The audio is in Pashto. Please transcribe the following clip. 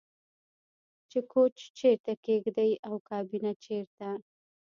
چې کوچ چیرته کیږدئ او کابینه چیرته